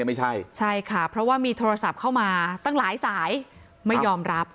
ไม่ใช่ใช่ค่ะเพราะว่ามีโทรศัพท์เข้ามาตั้งหลายสายไม่ยอมรับ